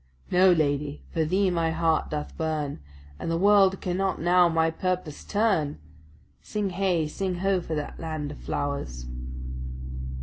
"No, lady; for thee my heart doth burn, And the world cannot now my purpose turn." Sing heigh, sing ho, for that land of flowers!